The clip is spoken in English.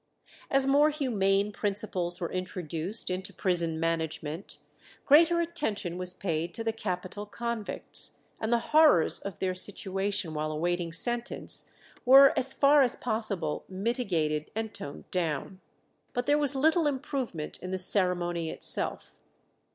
As more humane principles were introduced into prison management, greater attention was paid to the capital convicts, and the horrors of their situation while awaiting sentence were as far as possible mitigated and toned down. But there was little improvement in the ceremony itself.